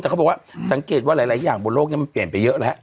แต่เขาบอกว่าสังเกตว่าหลายอย่างบนโลกนี้มันเปลี่ยนไปเยอะแล้ว